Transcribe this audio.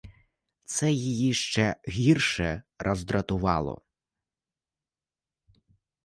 Це її ще гірше роздратувало.